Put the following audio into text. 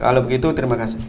kalau begitu terima kasih